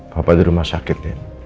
papa di rumah sakit